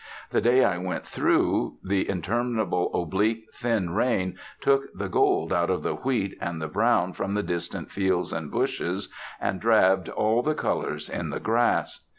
The day I went through, the interminable, oblique, thin rain took the gold out of the wheat and the brown from the distant fields and bushes, and drabbed all the colours in the grass.